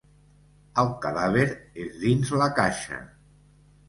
El cadàver és dins la caixa.